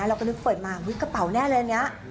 เราก็นึกเฟิร์ตมาอุ๊ยกระเป๋าแน่เลยเนี่ย